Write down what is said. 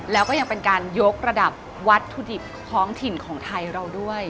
แล้วก็ยังเป็นการยกระดับวัตถุดิบท้องถิ่นของไทยเราด้วย